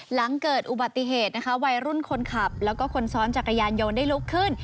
หลังเกิดอุบัติเหตุนะคะวัยรุ่นคนขับแล้วก็คนซ้อนจักรยานยนต์ได้ลุกขึ้น